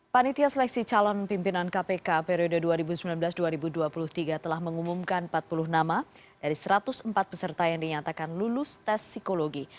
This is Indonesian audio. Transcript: panitia seleksi calon pimpinan kpk periode dua ribu sembilan belas dua ribu dua puluh tiga telah mengumumkan empat puluh nama dari satu ratus empat peserta yang dinyatakan lulus tes psikologi